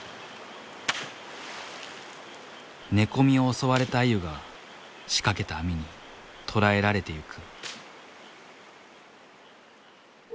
寝込みを襲われたアユが仕掛けた網に捕らえられてゆく。